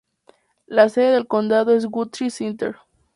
La sede del condado es Guthrie Center.